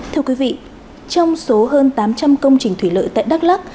thưa quý vị trong số hơn tám trăm linh công trình thủy lợi tại đắk lắc